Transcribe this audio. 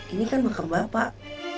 ini kan makam bapak